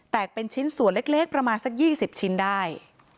เป็นชิ้นส่วนเล็กประมาณสัก๒๐ชิ้นได้